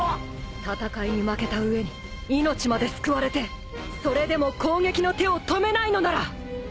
戦いに負けた上に命まで救われてそれでも攻撃の手を止めないのなら。